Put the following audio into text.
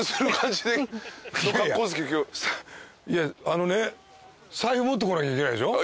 あのね財布持ってこなきゃいけないでしょ？